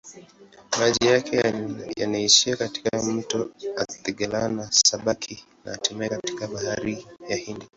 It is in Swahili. Maji yake yanaishia katika mto Athi-Galana-Sabaki na hatimaye katika Bahari ya Hindi.